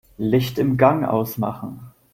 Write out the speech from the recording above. Licht im Gang ausmachen.